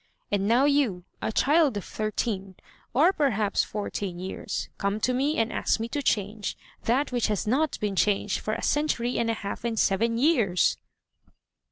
And now you, a child of thirteen, or perhaps fourteen years, come to me and ask me to change that which has not been changed for a century and a half and seven years!'